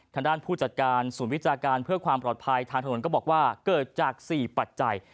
ทางด้านผู้จัดการศูนย์วิจาการเพื่อความปลอดภัยทางถนนก็บอกว่าเกิดจาก๔ปัจจัย